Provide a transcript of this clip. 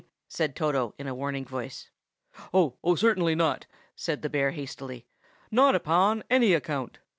said Toto in a warning voice. "Oh, certainly not!" said the bear hastily, "not upon any account.